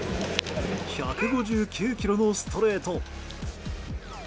１５９キロのストレート。